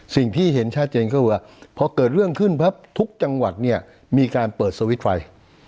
สิ่งที่เห็นชัดเจนก็คือว่าพอเกิดเรื่องขึ้นปั๊บทุกจังหวัดเนี่ยมีการเปิดสวิตช์ไฟ